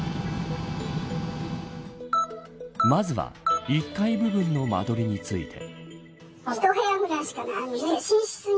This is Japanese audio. まずは１階部分の間取りについて。